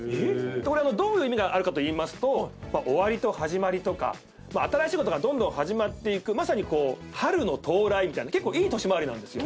これどういう意味があるかといいますと終わりと始まりとか新しいことがどんどん始まってまさに春の到来みたいな結構いい年回りなんですよ。